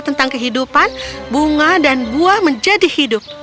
tentang kehidupan bunga dan buah menjadi hidup